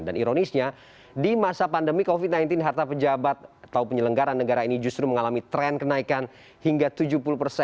dan ironisnya di masa pandemi covid sembilan belas harta penjabat atau penyelenggaraan negara ini justru mengalami tren kenaikan hingga tujuh puluh persen